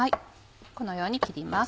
このように切ります。